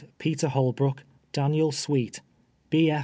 TETER irOLBUOOK, DAXIKL SWEET, B.